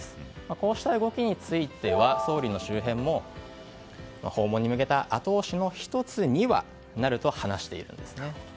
こうした動きについては総理の周辺も訪問に向けたあと押しの１つにはなると話しているんですね。